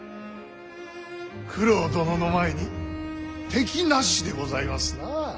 九郎殿の前に敵なしでございますな。